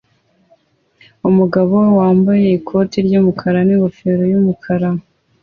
Umugabo wambaye ikoti ry'umukara n'ingofero y'umukara